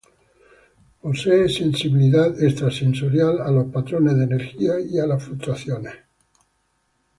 Posee sensibilidad extrasensorial a los patrones de energía ya las fluctuaciones.